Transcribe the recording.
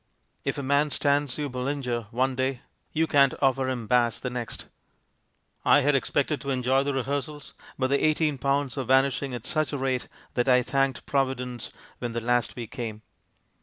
If a man stands you Bollinger one day, you can't offer him Bass the next. I had expected to enjoy the rehearsals, but the eighteen pounds were vanishing at such a rate that I thanked Providence when the last week came.